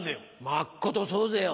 まっことそうぜよ。